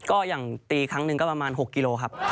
ก็อย่างตีครั้งหนึ่งก็ประมาณ๖กิโลครับ